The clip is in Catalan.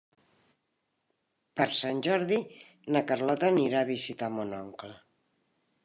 Per Sant Jordi na Carlota anirà a visitar mon oncle.